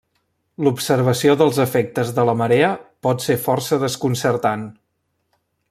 L'observació dels efectes de la marea pot ser força desconcertant.